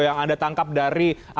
yang anda tangkap dari